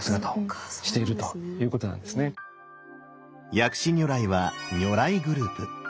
薬師如来は如来グループ。